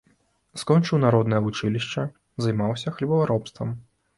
Скончыў народнае вучылішча, займаўся хлебаробствам.